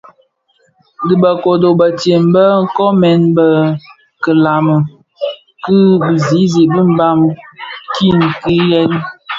Di bë kodo bëtsem bë bë koomè bèè ki bilama ki bizizig bi Mbam kidhilè,